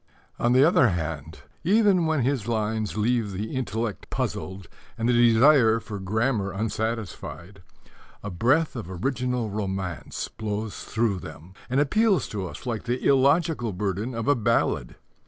On the other hand, even when his lines leave the intellect puzzled and the desire for grammar unsatisfied, a breath of original romance blows through them and appeals to us like the illogical burden of a ballad.